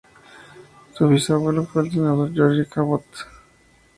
Su bisabuelo fue el senador George Cabot.